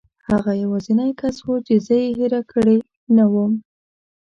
هغه یوازینی کس و چې زه یې هېره کړې نه وم.